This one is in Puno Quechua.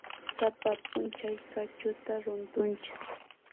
Sapa p'unchay q'achuta rutunchis.